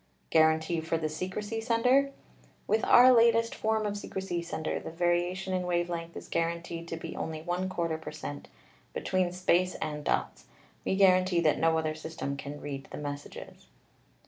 Guarantee for the secrecy sender: "With our latest form of secrecy sender the variation in wave length is guaranteed to be only % per cent, between space and dots. We guarantee that no other system can read the messages."